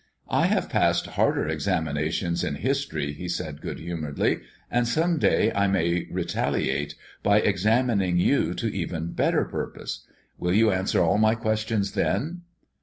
"I have passed harder examinations in history," he said good humoredly; "and some day I may retaliate by examining you to even better purpose. Will you answer all my questions then?"